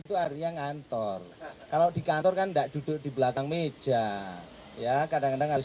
itu artinya ngantor kalau di kantor kan enggak duduk di belakang meja ya kadang kadang harus